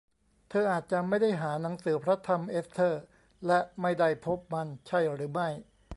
เธออาจจะไม่ได้หาหนังสือพระธรรมเอสเทอร์ และไม่ได้พบมันใช่หรือไม่